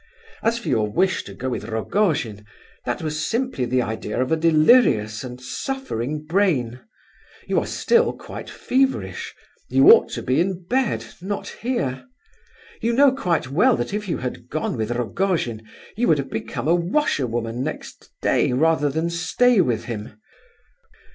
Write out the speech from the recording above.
As for your wish to go with Rogojin, that was simply the idea of a delirious and suffering brain. You are still quite feverish; you ought to be in bed, not here. You know quite well that if you had gone with Rogojin, you would have become a washer woman next day, rather than stay with him.